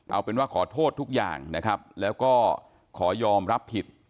เอาเป็นว่าขอโทษทุกอย่างนะครับแล้วก็ขอยอมรับผิด